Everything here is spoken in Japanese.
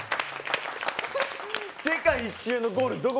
世界一周のゴール